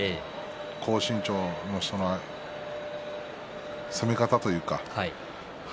高身長の人の攻め方というか。